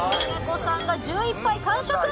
夢猫さんが１１杯完食。